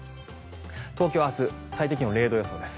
東京は明日、最低気温０度予想です。